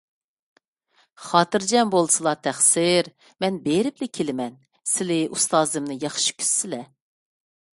خاتىرجەم بولسىلا، تەقسىر. مەن بېرىپلا كېلىمەن، سىلى ئۇستازىمنى ياخشى كۈتسىلە.